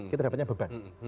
kita dapatnya beban